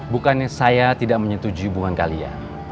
bukannya saya tidak menyetujui hubungan kalian